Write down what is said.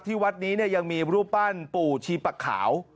ที่วัดนี้ยังมีรูปปั้นปู่ชีปะขาว